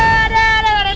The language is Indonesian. bu ranti bu ranti